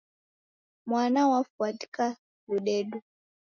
Mwana wafwadika ludedo.